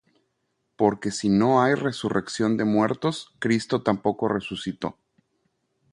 Porque si no hay resurrección de muertos, Cristo tampoco resucitó: